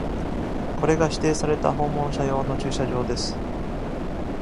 これが、指定された訪問者用の駐車場です。